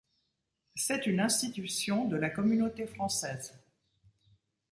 C'est une institution de la Communauté française.